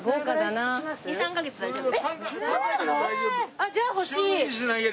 あっじゃあ欲しい！